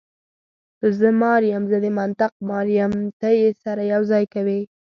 زه مار یم، زه د منطق مار یم، ته یې سره یو ځای کوې.